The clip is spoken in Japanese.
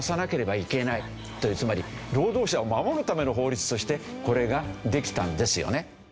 つまり労働者を守るための法律としてこれができたんですよね。